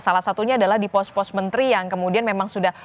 salah satunya adalah di pos pos menteri yang kemudian memang sudah